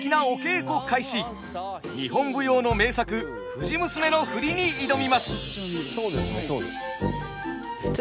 日本舞踊の名作「藤娘」の振りに挑みます。